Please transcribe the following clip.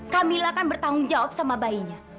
kamilah kan bertanggung jawab sama bayinya